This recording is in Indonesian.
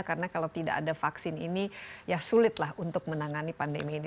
karena kalau tidak ada vaksin ini ya sulitlah untuk menangani pandemi ini